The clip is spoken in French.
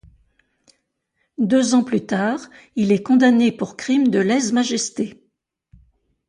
Deux ans plus tard, il est condamné pour crime de lèse-majesté.